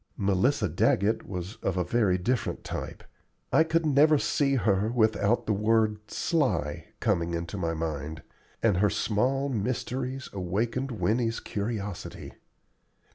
Melissa Daggett was of a very different type I could never see her without the word "sly" coming into my mind and her small mysteries awakened Winnie's curiosity.